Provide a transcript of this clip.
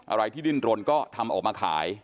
อะไรที่ดิ้นรนก็ทำออกมาขาย